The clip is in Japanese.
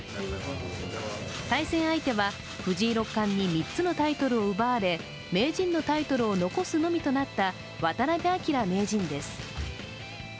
対戦相手は、藤井六冠に３つのタイトルを奪われ名人のタイトルを残すのみとなった渡辺明名人です。